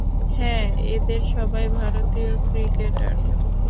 হ্যাঁ, এদের সবাই ভারতীয় ক্রিকেটার।